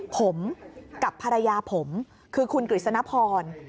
ผมกับภรรยาผมคือคุณกฤษณพร